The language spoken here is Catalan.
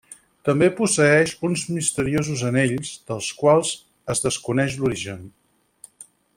També posseeix uns misteriosos anells, dels quals es desconeix l'origen.